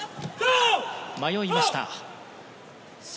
迷いました。